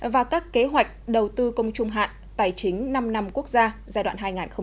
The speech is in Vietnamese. và các kế hoạch đầu tư công trung hạn tài chính năm năm quốc gia giai đoạn hai nghìn hai mươi một hai nghìn hai mươi